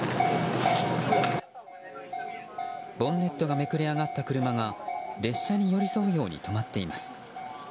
ボンネットがめくれ上がった車が列車に寄り添うように止まっています。